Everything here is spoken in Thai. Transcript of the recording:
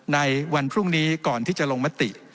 ในวันพรุ่งนี้ก่อนที่จะลงมติ